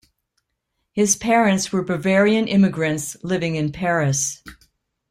His parents were Bavarian immigrants living in Paris.